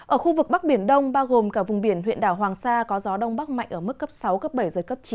ở khu vực bắc biển đông bao gồm cả vùng biển huyện đảo hoàng sa có gió đông bắc mạnh ở mức cấp sáu cấp bảy giật cấp chín